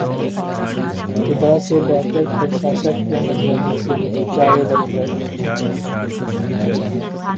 खुदा से बेहतर प्रशासक थे मनमोहन सिंह: जावेद अख्तर